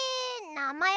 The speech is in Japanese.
なまえ？